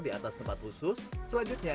di atas tempat khusus selanjutnya